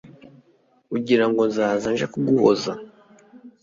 ugira ngo nzaza nje kuguhoza